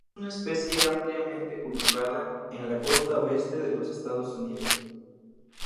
Es una especie ampliamente cultivada, en la costa oeste de los Estados Unidos.